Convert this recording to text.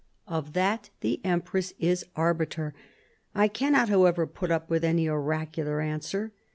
Of that the empress is arbiter. I cannot, however, put up with any oracular answer.